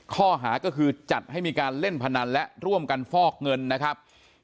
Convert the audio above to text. ข้อหาก็คือจัดให้มีการเล่นพนันและร่วมกันฟอกเงินนะครับ